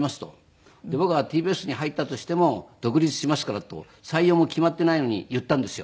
で「僕はＴＢＳに入ったとしても独立しますから」と採用も決まっていないのに言ったんですよ。